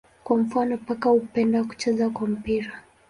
Kwa mfano paka hupenda kucheza kwa mpira.